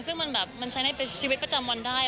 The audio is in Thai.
ซึ่งมันใช้ได้เป็นชีวิตประจำวันได้